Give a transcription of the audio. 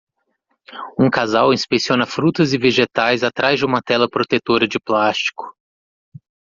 Um casal inspeciona frutas e vegetais atrás de uma tela protetora de plástico.